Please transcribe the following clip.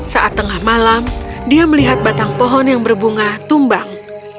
saat tengah malam dia melihat batang pohon yang berbunga tumbang